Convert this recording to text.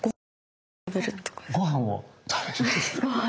ご飯を食べるんですか？